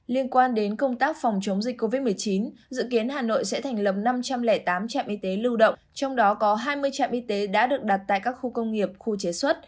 liên quan đến công tác phòng chống dịch covid một mươi chín dự kiến hà nội sẽ thành lập năm trăm linh tám trạm y tế lưu động trong đó có hai mươi trạm y tế đã được đặt tại các khu công nghiệp khu chế xuất